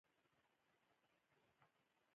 شکر کول د نعمتونو د زیاتوالي لامل دی.